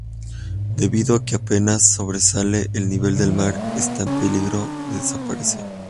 Debido a que apenas sobresale del nivel del mar, está en peligro de desaparecer.